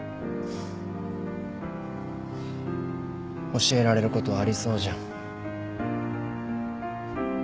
教えられることありそうじゃん。